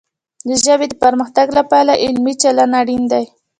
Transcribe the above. د ژبې د پرمختګ لپاره علمي چلند اړین دی.